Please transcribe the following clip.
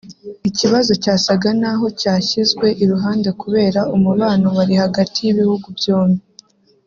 ikibazo cyasaga n’aho cyashyizwe iruhande kubera umubano wari hagati y’ibihugu byombi